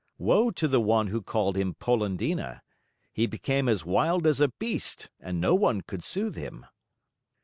Woe to the one who called him Polendina! He became as wild as a beast and no one could soothe him.